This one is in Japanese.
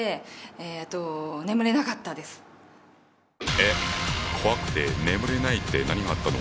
えっ？怖くて眠れないって何があったの？